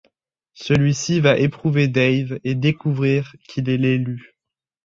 Celui-ci va éprouver Dave et découvrir qu'il est l'élu.